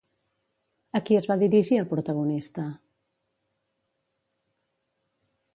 A qui es va dirigir el protagonista?